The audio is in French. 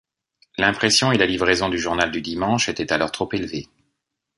L'impression et la livraison du journal du dimanche étaient alors trop élevés.